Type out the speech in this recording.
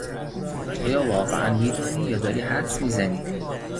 آیا واقعا میدانی یا داری حدس میزنی؟